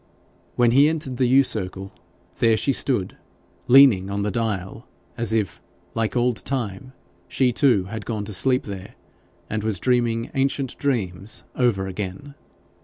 When he entered the yew circle, there she stood leaning on the dial, as if, like old Time, she too had gone to sleep there, and was dreaming ancient dreams over again.